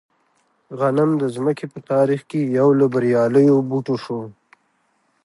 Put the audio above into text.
غنم د ځمکې په تاریخ کې یو له بریالیو بوټو شو.